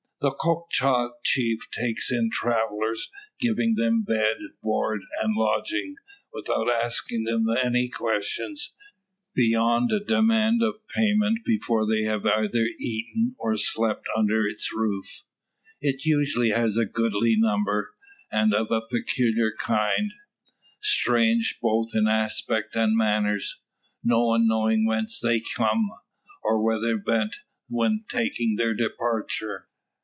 The Choctaw Chief takes in travellers; giving them bed, board, and lodging, without asking them any questions, beyond a demand of payment before they have either eaten or slept under its roof. It usually has a goodly number, and of a peculiar kind strange both in aspect and manners no one knowing whence they come, or whither bent when taking their departure.